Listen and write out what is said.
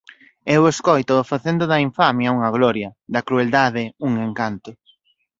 Eu escóitoo facendo da infamia unha gloria, da crueldade un encanto.